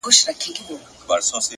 لوړ لید واړه خنډونه کوچني ښيي؛